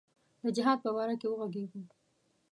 د جهاد په باره کې وږغیږو.